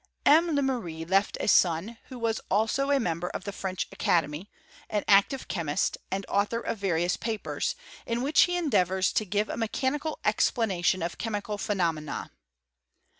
M. Lemery left a son, who was also a member of the French Academy ; an active chemist, and author of various papers, in which he endeavours to give % mechanical explanation of chemical phenomena.